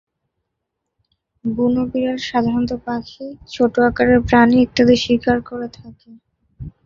বুনো বিড়াল সাধারণত পাখি, ছোট আকারের প্রাণী ইত্যাদি শিকার করে থাকে।